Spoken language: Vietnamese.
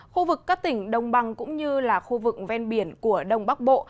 khu vực các tỉnh đông bằng cũng như là khu vực ven biển của đông bắc bộ